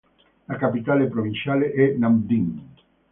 La capitale provinciale è Nam Dinh.